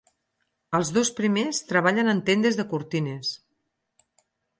Els dos primers treballen en tendes de cortines.